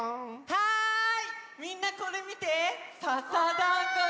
はい！